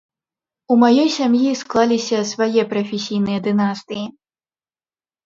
У маёй сям'і склаліся свае прафесійныя дынастыі.